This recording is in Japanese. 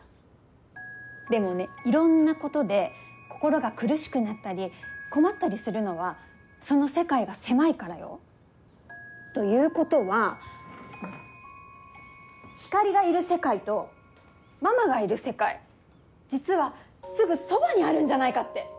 でもねいろんなことで心が苦しくなったり困ったりするのはその世界が狭いからよ。ということはひかりがいる世界とママがいる世界実はすぐそばにあるんじゃないかって。